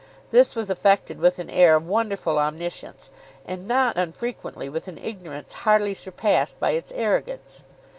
This was effected with an air of wonderful omniscience, and not unfrequently with an ignorance hardly surpassed by its arrogance.